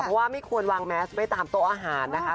เพราะว่าไม่ควรวางแมสไว้ตามโต๊ะอาหารนะคะ